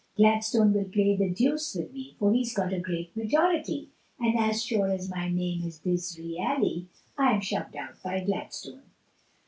Gladstone will play the deuce with me, For he's got a great majority, And as sure as my name is Disreali, I am shoved out by Gladstone.